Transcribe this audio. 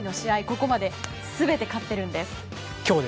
ここまで全て勝っているんです。